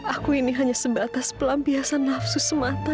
aku ini hanya sebatas pelampiasan nafsu semata